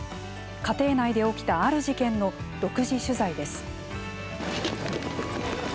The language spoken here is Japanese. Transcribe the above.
家庭内で起きたある事件の独自取材です。